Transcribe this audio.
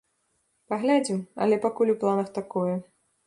Паглядзім, але пакуль у планах такое.